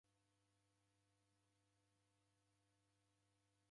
Daweja marugu ghisew'urue